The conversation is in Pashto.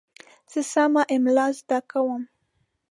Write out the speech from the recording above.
زه سمه املا زده کوم.